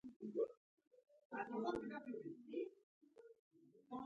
د هغوي د رنګ بدلون د تیزابو په نسبت توپیر لري.